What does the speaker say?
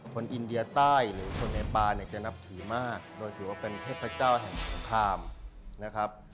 คนอินเดียใต้หรือคนไนปาจะนับถือมากโดยถือว่าเป็นเทพเจ้าของข้ามนะครับ